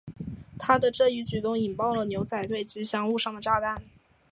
他的这一举动引爆了牛仔队吉祥物上的炸弹。